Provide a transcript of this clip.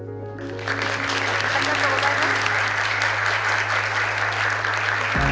ありがとうございます。